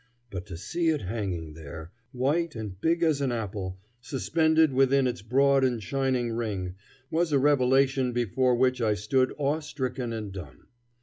But to see it hanging there, white and big as an apple, suspended within its broad and shining ring, was a revelation before which I stood awe stricken and dumb.